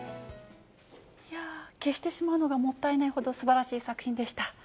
消してしまうのがもったいないほど、すばらしい作品でした。